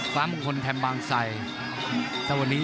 ซ้างบุคคลแถดบังไซแต่วันนี้